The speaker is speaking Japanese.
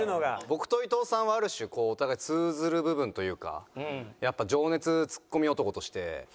僕と伊藤さんはある種お互い通ずる部分というかやっぱ情熱ツッコミ男としてなんかその部分で。